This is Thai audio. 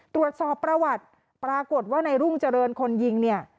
ตรวจสอบประวัติปรากฏว่าในรุ่งเจริญคนยิงเนี่ย